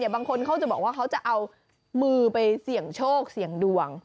บางคนเขาจะบอกว่าเขาจะเอามือไปเสี่ยงโชคเสี่ยงดวง